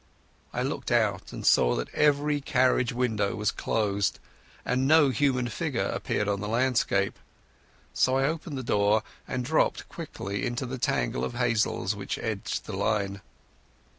I looked out and saw that every carriage window was closed and no human figure appeared in the landscape. So I opened the door, and dropped quickly into the tangle of hazels which edged the line.